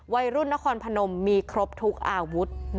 วัยรุ่นนครพนมมีครบทุกอาวุธ